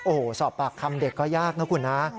โอ้โหสอบปากคำเด็กก็ยากนะคุณนะ